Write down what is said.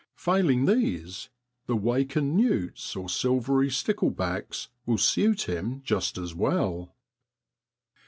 Failing these, the wakened newts or silvery stickle backs will suit him just as well.